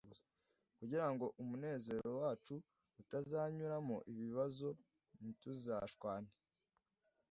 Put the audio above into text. kugira ngo umunezero wacu utazanyuramo ibibazo ntituzashwane